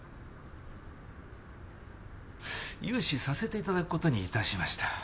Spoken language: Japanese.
融資させて頂く事に致しました。